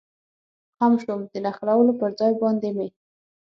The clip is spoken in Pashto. خم شوم، د نښلولو پر ځای باندې مې.